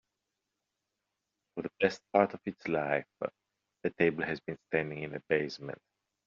For the best part of its life, the table has been standing in the basement.